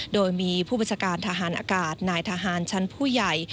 โดยมีผู้บัญชาการทหารอากาศนายทหารชั้นผู้ใหญ่